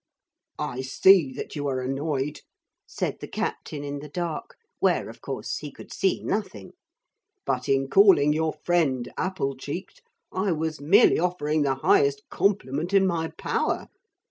'I see that you are annoyed,' said the captain in the dark, where, of course, he could see nothing; 'but in calling your friend apple cheeked I was merely offering the highest compliment in my power.